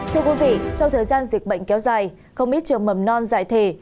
thưa quý vị sau thời gian dịch bệnh kéo dài không ít trường mầm non giải thể